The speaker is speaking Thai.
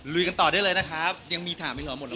ลุยกันต่อได้เลยนะครับยังมีถามไหมเหรอหมดแล้ว